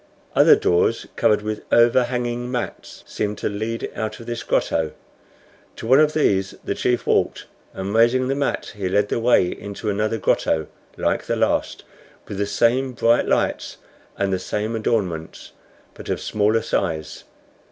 Other doors, covered with overhanging mats, seemed to lead out of this grotto. To one of these the chief walked, and raising the mat he led the way into another grotto like the last, with the same bright lights and the same adornments, but of smaller size.